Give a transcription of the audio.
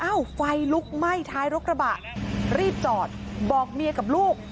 ไฟลุกไหม้ท้ายรถกระบะรีบจอดบอกเมียกับลูก